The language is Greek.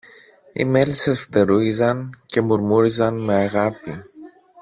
Οι μέλισσες φτερούγιζαν και μουρμούριζαν με αγάπη